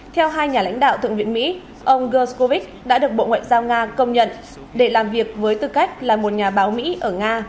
theo hai nhà lãnh đạo thượng viện mỹ ông gerscow đã được bộ ngoại giao nga công nhận để làm việc với tư cách là một nhà báo mỹ ở nga